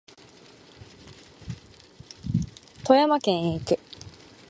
富山県へ行く